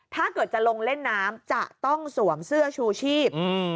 ถ้าเกิดจะลงเล่นน้ำจะต้องสวมเสื้อชูชีพ